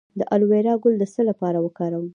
د الوویرا ګل د څه لپاره وکاروم؟